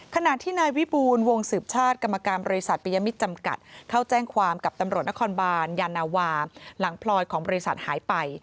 ขณะที่นายวิบูลวงสืบชาติกรรมการบริษัทปริยมิตรจำกัดเข้าแจ้งความกับตำรวจนครบานยานาวาหลังพลอยของบริษัทหายไป